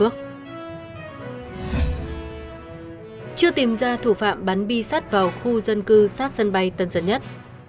chưa tìm ra thủ phạm bắn bi sát vào khu dân cư sát sân bay tân dân nhất